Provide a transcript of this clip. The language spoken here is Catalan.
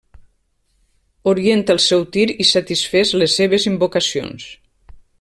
Orienta el seu tir i satisfés les seves invocacions.